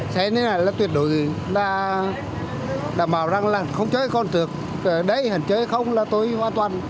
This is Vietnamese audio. xe này là tuyệt đối đã bảo rằng là không chơi con trực để hẳn chơi không là tôi hoàn toàn